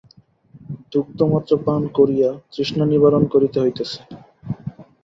দুগ্ধমাত্র পান করিয়া তৃষ্ণা নিবারণ করিতে হইতেছে।